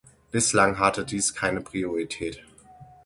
Bislang hatte dies keine Priorität.